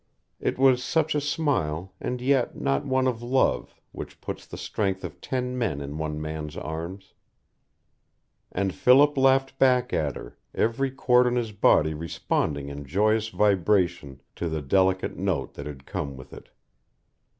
It was such a smile, and yet not one of love, which puts the strength of ten men in one man's arms; and Philip laughed back at her, every chord in his body responding in joyous vibration to the delicate note that had come with it.